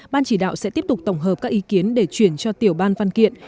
ban chỉ đạo sẽ tiếp tục tổng hợp các ý kiến để chuyển cho tiểu ban văn kiện